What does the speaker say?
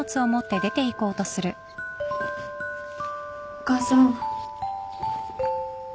お母さん。